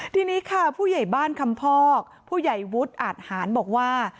ทีนี้ค่ะผู้ใหญ่บ้านคำพอกผู้ใหญ่วุฒิอาจหารบอกว่า